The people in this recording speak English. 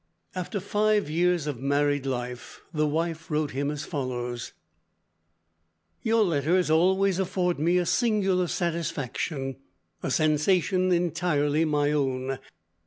After five years of married life the wife wrote him as follows: "Your letters always afford me a singular satisfaction, a sensation entirely my own.